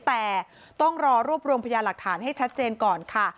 แต่ต้องรอรวบรวมพยาหลักฐานให้ชัดเจนก่อนค่ะ